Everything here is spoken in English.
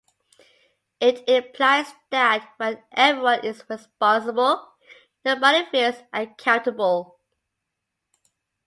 It implies that when everyone is responsible, nobody feels accountable.